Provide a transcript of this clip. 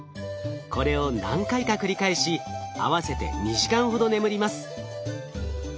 これを何回か繰り返し合わせて２時間ほど眠ります。